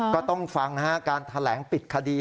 ก็ต้องฟังนะฮะการแถลงปิดคดี